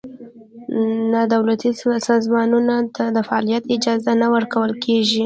نا دولتي سازمانونو ته د فعالیت اجازه نه ورکول کېږي.